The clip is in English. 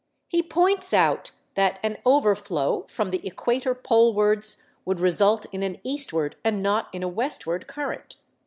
He points out that an overflow from the equator polewards would result in an eastward, and not in a westward, current.